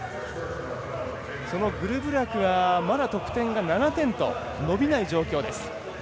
そのグルブラクはまだ得点が７点と伸びない状況です。